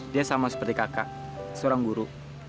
dia sama seperti kakak seorang guru